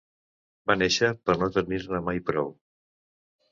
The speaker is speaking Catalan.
Va néixer per no tenir-ne mai prou.